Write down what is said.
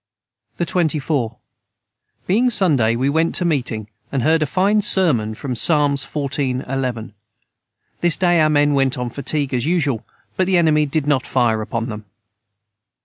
"] the 24. Being Sunday we went to meting and heard a fine Sermon from psalms 14 11 this day our men went on fatigue as usual but the enemy did not fire upon them.